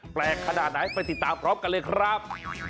แปลกขนาดไหนไปติดตามพร้อมกันเลยครับ